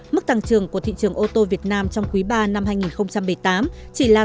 mức tăng trưởng của thị trường ô tô việt nam trong quý ba năm hai nghìn một mươi tám chỉ là sáu